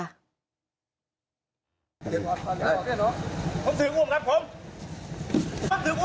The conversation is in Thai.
พี่น้องผมถืออุ่มครับผมผมถืออุ่มครับ